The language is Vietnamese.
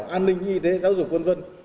an ninh y tế giáo dục quân dân